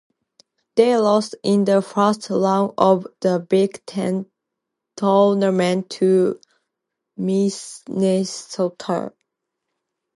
They lost in the first round of the Big Ten Tournament to Minnesota.